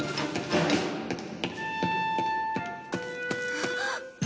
あっ！